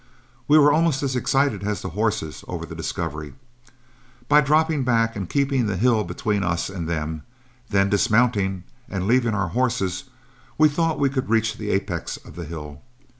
We were almost as excited as the horses over the discovery. By dropping back and keeping the hill between us and them, then dismounting and leaving our horses, we thought we could reach the apex of the hill.